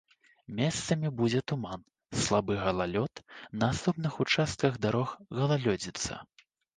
Месцамі будзе туман, слабы галалёд, на асобных участках дарог галалёдзіца.